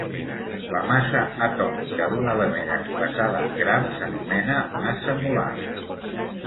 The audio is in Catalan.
La massa atòmica d'un element expressada en grams s'anomena massa molar.